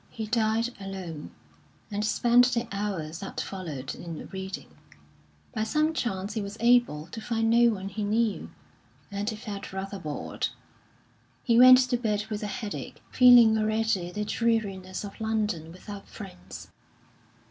He dined alone, and spent the hours that followed in reading. By some chance he was able to find no one he knew, and he felt rather bored. He went to bed with a headache, feeling already the dreariness of London without friends.